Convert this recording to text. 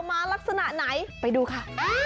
มาลักษณะไหนไปดูค่ะ